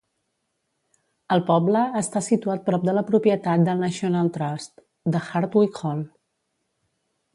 El poble està situat prop de la propietat del National Trust de Hardwick Hall.